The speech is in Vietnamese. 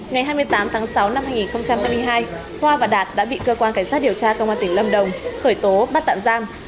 ngày hai mươi tám tháng sáu năm hai nghìn hai mươi hai hoa và đạt đã bị cơ quan cảnh sát điều tra công an tỉnh lâm đồng khởi tố bắt tạm giam